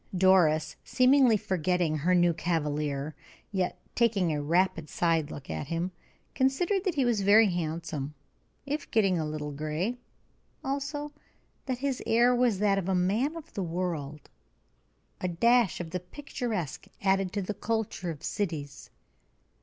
Doris, seemingly forgetting her new cavalier, yet taking a rapid side look at him, considered that he was very handsome, if getting a little gray; also, that his air was that of a man of the world, a dash of the picturesque added to the culture of cities.